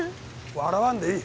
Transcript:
笑わんでいい。